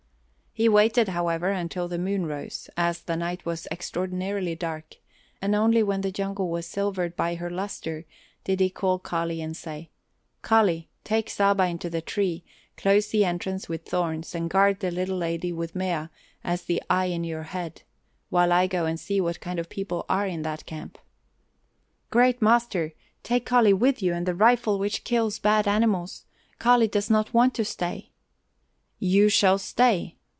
He waited, however, until the moon rose, as the night was extraordinarily dark, and only when the jungle was silvered by her luster did he call Kali and say: "Kali, take Saba into the tree, close the entrance with thorns, and guard the little lady with Mea as the eye in your head, while I go and see what kind of people are in that camp." "Great master, take Kali with you and the rifle which kills bad animals. Kali does not want to stay." "You shall stay!"